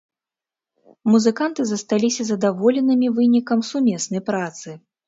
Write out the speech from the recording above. Музыканты засталіся задаволенымі вынікам сумеснай працы.